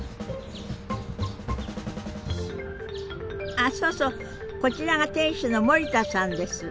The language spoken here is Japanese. あそうそうこちらが店主の森田さんです。